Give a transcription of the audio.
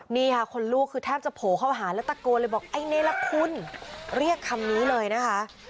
นี่ค่ะคนลูกคือแทบจะโผล่เข้าหาแล้วตะโกนเลยบอกไอ้เนละคุณเรียกคำนี้เลยนะคะ